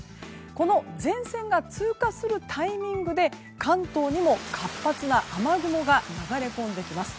この前線が通過するタイミングで関東にも活発な雨雲が流れ込んできます。